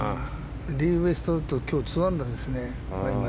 リー・ウェストウッドは今日、２アンダーですね。